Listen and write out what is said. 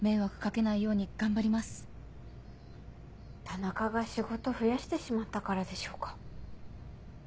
田中が仕事増やしてしまったからでしょうか？